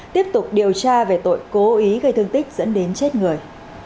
tiếp tục điều tra về tội cố ý gây thương tích dẫn đến chết người